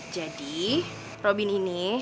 jadi robin ini